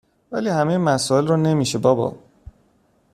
ولی همه مسائل رو نمیشه بابا